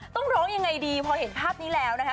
ต้องร้องยังไงดีพอเห็นภาพนี้แล้วนะคะ